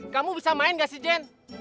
kamu bisa main gak sih jen